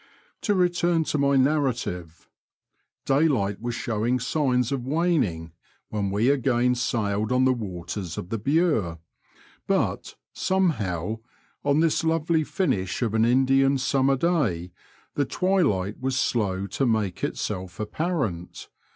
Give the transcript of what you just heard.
To return to my narrative. Daylight was showing signs of waning when we again sailed on the waters of the Bure^ but, somehow, on this lovely finish of an Indian summer day the twilight was slow to make itself apparent.